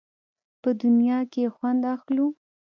په دنیا کې یې خوند اخلو.